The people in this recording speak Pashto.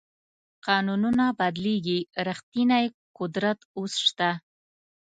قانونونه بدلېږي ریښتینی قدرت اوس شته.